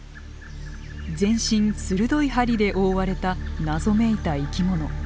全身鋭い針で覆われた謎めいた生き物。